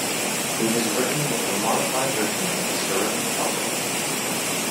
It is written with a modified version of the Cyrillic alphabet.